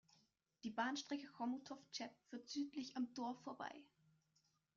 Die Bahnstrecke Chomutov–Cheb führt südlich am Dorf vorbei.